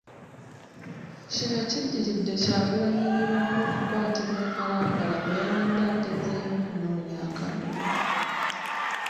Kino kiddiridde Kyagulanyi ne banne okukwatibwa e Kalangala bwe yabadde agenzeeyo okunoonya akalulu.